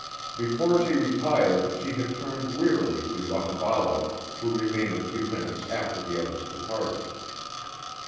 Before she retired she had turned wearily to Otaballo, who remained a few minutes after the others departed.